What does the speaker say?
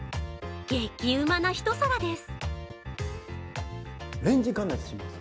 激ウマな一皿です。